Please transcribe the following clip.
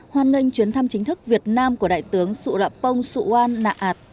hoan nghênh chuyến thăm chính thức việt nam của đại tướng surapong suwan naat